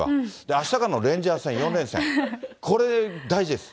あしたからのレンジャーズ戦４連戦、これ大事です。